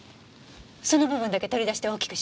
その部分だけ取り出して大きくして。